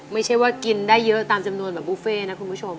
ไม่ใช่ว่ากินได้เยอะตามจำนวนแบบบุฟเฟ่นะคุณผู้ชม